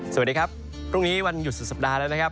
สวัสดีครับพรุ่งนี้วันหยุดสุดสัปดาห์แล้วนะครับ